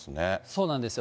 そうなんですよ。